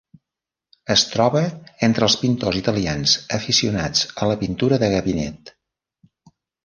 Es troba entre els pintors italians aficionats a la pintura de gabinet.